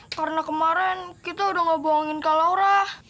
karena kemarin kita udah gak bohongin kak laura